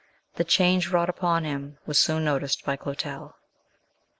The change wrought upon him was soon noticed by Clotel.